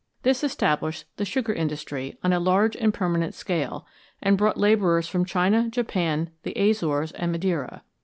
This established the sugar industry on a large and permanent scale and brought laborers from China, Japan, the Azores, and Madeira.